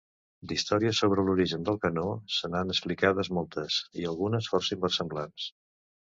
D'històries sobre l'origen del canó, se n'han explicades moltes, i algunes força inversemblants.